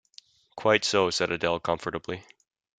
"Quite so," said Adele comfortably.